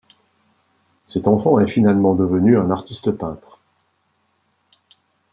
Cet enfant est finalement devenu un artiste-peintre.